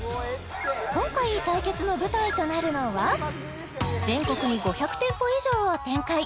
今回対決の舞台となるのは全国に５００店舗以上を展開